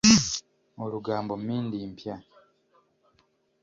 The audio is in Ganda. Olugambo mmindi mpya.